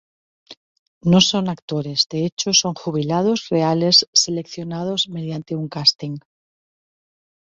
No son actores, de hecho, son jubilados reales seleccionados mediante un casting.